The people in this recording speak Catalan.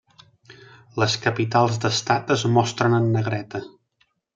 Les capitals d'estat es mostren en negreta.